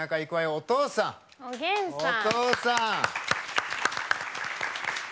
お父さん！